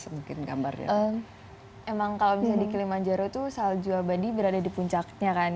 emang kalau misalnya di kilimanjaro itu salju abadi berada di puncaknya kan